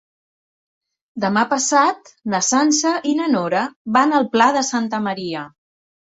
Demà passat na Sança i na Nora van al Pla de Santa Maria.